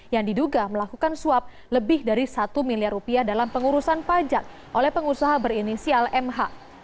yang diduga melakukan suap lebih dari satu miliar rupiah dalam pengurusan pajak oleh pengusaha berinisial mh